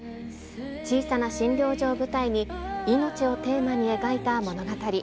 小さな診療所を舞台に、命をテーマに描いた物語。